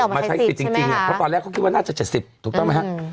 มาใช้สิทธิ์จริงเพราะตอนแรกเขาคิดว่าน่าจะ๗๐ถูกต้องไหมครับ